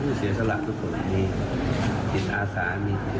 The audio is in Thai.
คนที่เข้ามาทำงานการเมือง